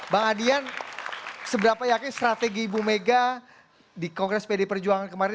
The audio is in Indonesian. bang adian seberapa yakin strategi ibu mega di kongres pdi perjuangan kemarin